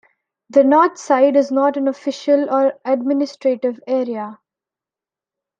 The Northside is not an official or administrative area.